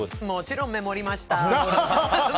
もちろんメモりました。